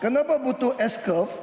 kenapa butuh s curve